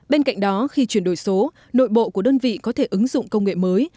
bên cạnh đó khi chuyển đổi số nội bộ của đơn vị có thể ứng dụng công nghệ mới